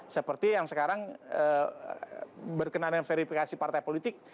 seperti yang sekarang berkenaan verifikasi partai politik